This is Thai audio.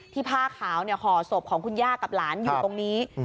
ที่ผ้าขาวเนี่ยห่อส่วนของคุณย่ากับหลานอยู่ตรงนี้